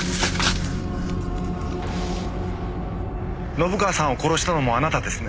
信川さんを殺したのもあなたですね？